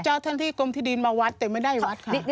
เจ้าหน้าที่กรมที่ดินมาวัดแต่ไม่ได้วัดค่ะ